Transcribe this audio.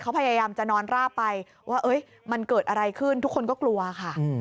เขาพยายามจะนอนราบไปว่ามันเกิดอะไรขึ้นทุกคนก็กลัวค่ะ